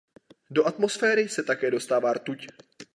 Do atmosféry se také dostává rtuť.